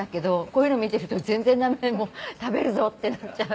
こういうの見てると全然ダメ食べるぞ！ってなっちゃう。